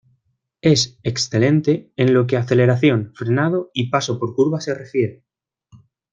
Es excelente en lo que a aceleración, frenado y paso por curva se refiere.